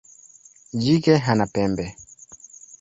Jike hana pembe.